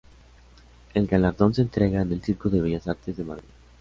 El galardón se entrega en el Círculo de Bellas Artes de Madrid.